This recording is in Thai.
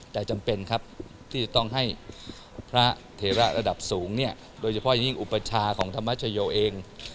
แต่จำเป็นครับที่จะต้องให้พระเทระระดับสูงเนี่ยโดยเฉพาะยิ่งอุปชาของธรรมชโยเอง